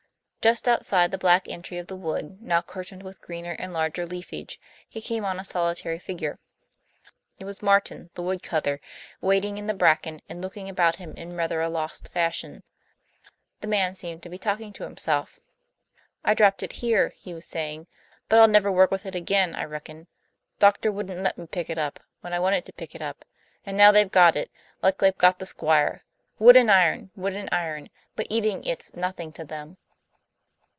Just outside the black entry of the wood, now curtained with greener and larger leafage, he came on a solitary figure. It was Martin, the woodcutter, wading in the bracken and looking about him in rather a lost fashion. The man seemed to be talking to himself. "I dropped it here," he was saying. "But I'll never work with it again I reckon. Doctor wouldn't let me pick it up, when I wanted to pick it up; and now they've got it, like they've got the Squire. Wood and iron, wood and iron, but eating it's nothing to them."